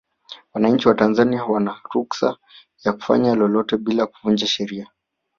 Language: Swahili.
wananchi wa tanzania wana ruksa ya kufanya lolote bila kuvunja sheria